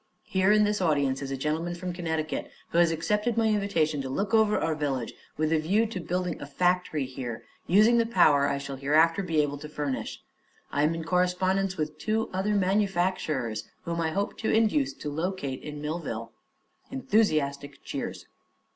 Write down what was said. Here in this audience is a gentleman from Connecticut who has accepted my invitation to look over our village with a view to building a factory here, using the power I shall hereafter be able to furnish. I am in correspondence with two other manufacturers, whom I hope to induce to locate in Millville. (Enthusiastic cheers.)